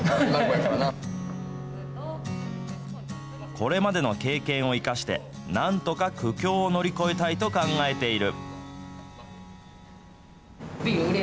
これまでの経験を生かして、なんとか苦境を乗り越えたいと考えている。